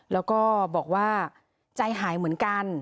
แล้วก็บอกว่าใจหายเหมือนกัน